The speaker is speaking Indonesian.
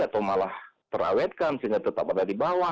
atau malah terawetkan sehingga tetap ada di bawah